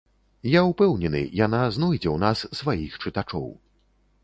Я ўпэўнены, яна знойдзе ў нас сваіх чытачоў.